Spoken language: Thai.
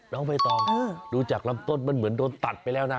น้องใบตองดูจากลำต้นมันเหมือนโดนตัดไปแล้วนะ